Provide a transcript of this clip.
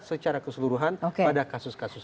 secara keseluruhan pada kasus kasus